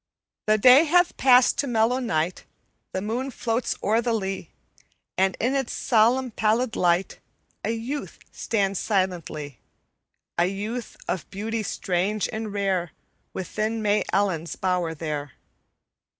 "The day hath passed to mellow night, The moon floats o'er the lea, And in its solemn, pallid light A youth stands silently: A youth of beauty strange and rare, Within May Ellen's bower there.